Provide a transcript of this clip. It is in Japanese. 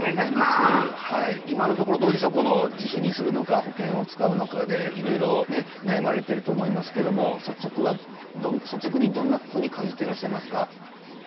今のところどうでしょうか自費にするのか保険を使うのかでいろいろ悩まれていると思いますが率直に、どんなふうに感じていらっしゃいますか。